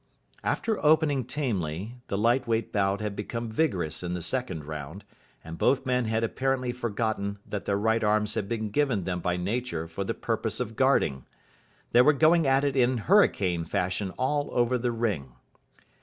After opening tamely, the light weight bout had become vigorous in the second round, and both men had apparently forgotten that their right arms had been given them by Nature for the purpose of guarding. They were going at it in hurricane fashion all over the ring.